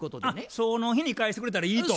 その日に返してくれたらいいと。